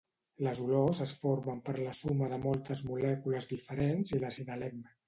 Les olors es formen per la suma de moltes molècules diferents i les inhalem